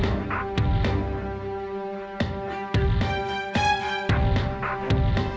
kalau bilang belum saya takut dimarahin